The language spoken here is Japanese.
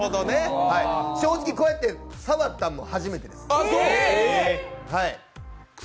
正直、こうやって触ったんも初めてです。